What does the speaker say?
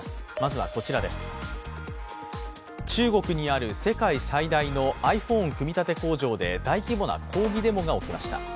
中国にある世界最大のｉＰｈｏｎｅ組み立て工場で大規模な抗議デモが起きました。